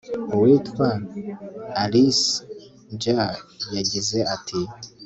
uwitwa alicja yagize ati